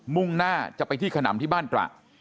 มุ่งหน้าจะไปที่ขนำที่บ้านตระ